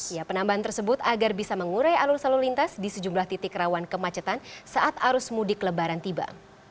ya penambahan tersebut agar bisa mengurai alur alur lintas di sejumlah titik rawan kemacetan saat arus mudik lebaran tiba